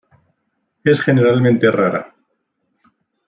Es generalmente rara.